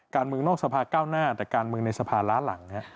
การเมืองนอกสภาก้าวหน้าแต่การเมืองในสภาล้าหลัง